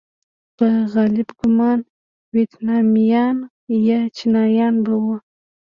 په اغلب ګومان ویتنامیان یا چینایان به وو.